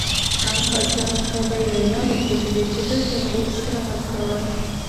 هغه حاجیانو ته به ویناوې کېدلې چې دلته به یې استراحت کاوه.